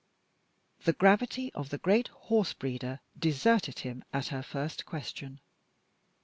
The gravity of the great horse breeder deserted him at her first question.